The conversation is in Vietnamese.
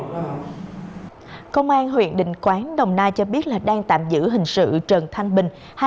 công an huyện định quán đồng nai cho biết là đang tạm giữ hình sự trần thanh bình